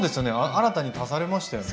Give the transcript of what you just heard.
新たに足されましたよね。